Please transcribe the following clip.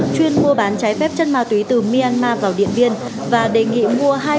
chuyên mua bán trái phép chân ma túy từ myanmar vào điện biên và đề nghị mua hai mươi bánh